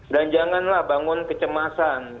dan janganlah bangun kecemasan